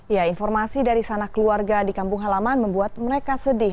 ya informasi dari sana keluarga di kampung halaman membuat mereka sedih